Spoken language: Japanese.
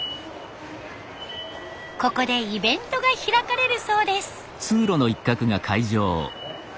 ここでイベントが開かれるそうです。